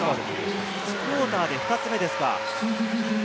１クオーターで２つ目ですか。